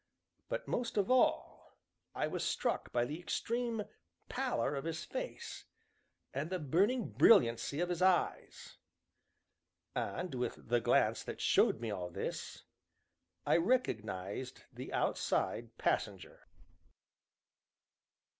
But most of all, I was struck by the extreme pallor of his face, and the burning brilliancy of his eyes. And, with the glance that showed me all this, I recognized the Outside Passenger.